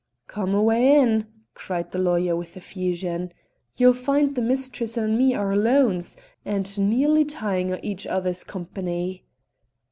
"Come awa' in!" cried the lawyer with effusion. "You'll find the mistress and me our lones, and nearly tiring o' each other's company."